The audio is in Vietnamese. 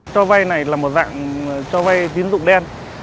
cho vay này là một dạng cho vay tín dụng đen